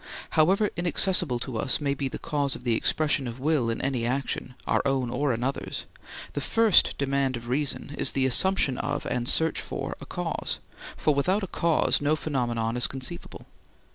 However inaccessible to us may be the cause of the expression of will in any action, our own or another's, the first demand of reason is the assumption of and search for a cause, for without a cause no phenomenon is conceivable.